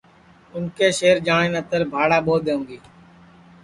اُن کے شہر جاٹؔے نتر بھاڑا ٻو دؔونگی